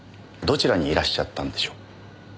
どちらにいらっしゃったんでしょう？